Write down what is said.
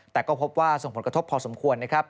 แต่ก็พบว่าส่งผลกระทบพอสมควรนะครับ